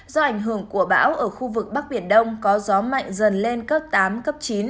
do ảnh hưởng của bão ở khu vực bắc biển đông có gió mạnh dần lên cấp tám cấp chín